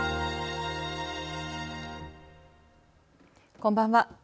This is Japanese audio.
こんばんは。